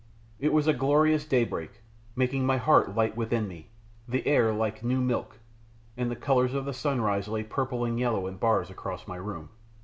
It was a glorious daybreak, making my heart light within me, the air like new milk, and the colours of the sunrise lay purple and yellow in bars across my room.